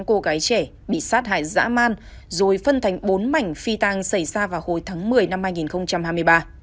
cô gái trẻ bị sát hại dã man rồi phân thành bốn mảnh phi tăng xảy ra vào hồi tháng một mươi năm hai nghìn hai mươi ba